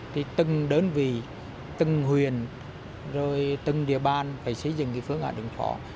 từng đơn vị từng huyền từng địa bàn phải xây dựng phương án ứng phỏ